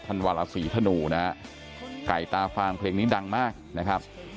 ท่านวาราศรีธนูไก่ตาฟังเพลงนี้ดังมากนะครับ